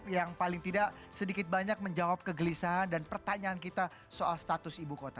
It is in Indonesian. yang paling tidak sedikit banyak menjawab kegelisahan dan pertanyaan kita soal status ibu kota